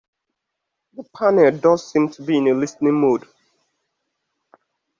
The panel does seem to be in listening mode.